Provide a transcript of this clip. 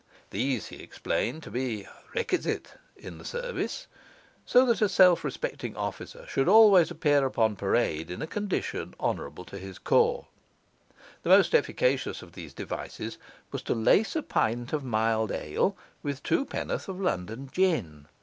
These he explained to be 'rekisite' in the service, so that a self respecting officer should always appear upon parade in a condition honourable to his corps. The most efficacious of these devices was to lace a pint of mild ale with twopenceworth of London gin.